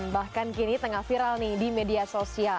bahkan kini tengah viral nih di media sosial